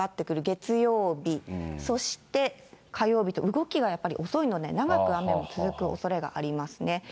月曜日、そして火曜日と、動きがやっぱり遅いので、長く雨が続くおそれがありますね。